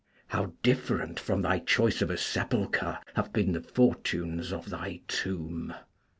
How different from thy choice of a sepulchre have been the fortunes of thy tomb!